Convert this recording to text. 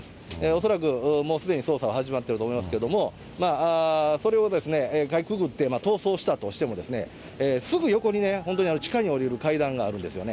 恐らくもうすでに捜査は始まっていると思いますけれども、それをかいくぐって逃走したとしても、すぐ横に、本当に地下に下りる階段があるんですよね。